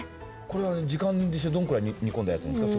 これは時間にしてどんくらい煮込んだやつですか？